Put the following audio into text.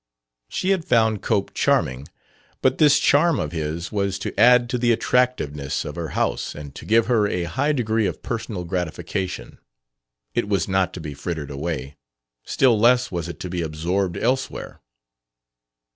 She had found Cope "charming"; but this charm of his was to add to the attractiveness of her house and to give her a high degree of personal gratification. It was not to be frittered away; still less was it to be absorbed elsewhere.